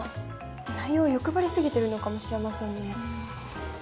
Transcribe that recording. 内容欲張りすぎてるのかもしれませんね。